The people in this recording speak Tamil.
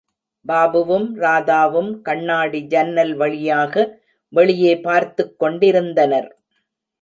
பாபுவும், ராதாவும் கண்ணாடி ஜன்னல் வழியாக வெளியே பார்த்துக் கொண்டிருந்தனர்.